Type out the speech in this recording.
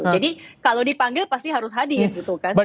jadi kalau dipanggil pasti harus hadir gitu kan